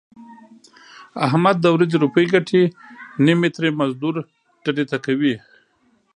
احمد د ورځې روپۍ ګټي نیمې ترې مزدور ډډې ته کوي.